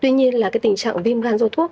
tuy nhiên là cái tình trạng viêm gan do thuốc